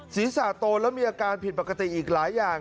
ศีรษะโตแล้วมีอาการผิดปกติอีกหลายอย่าง